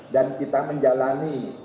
dan kita menjalani